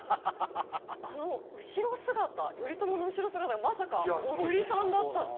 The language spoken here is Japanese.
あの後ろ姿頼朝の後ろ姿がまさか小栗さんだったっていう。